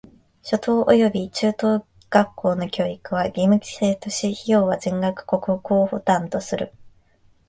初等および中等学校の教育は義務制とし、費用は全額国庫負担とする。